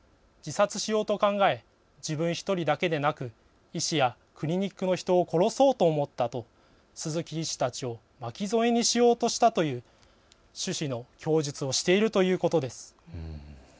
自殺しようと考え自分１人だけでなく医師やクリニックの人を殺そうと思ったと鈴木医師たちを巻き添えにしようとしたという趣旨の供述をしているということです。